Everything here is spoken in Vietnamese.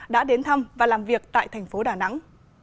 đã đến thăm và làm việc tại thành phố đà nẵng